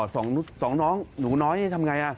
สองน้องหนูน้อยนี่ทำไง